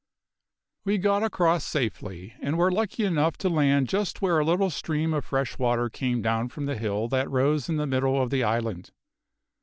"We got across safely, and were lucky enough to land just where a little stream of fresh water came down from the hill that rose in the middle of the island.